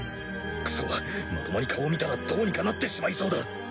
クソッまともに顔を見たらどうにかなってしまいそうだ。